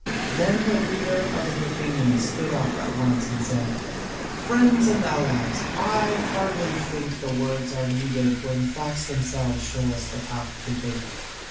Then the leader of the Hyrcanians stood up at once and said: "Friends and allies, I hardly think that words are needed when facts themselves show us the path to take.